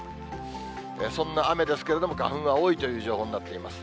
そんな雨ですけれども、花粉は多いという情報になっています。